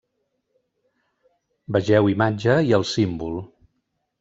Vegeu imatge i el símbol.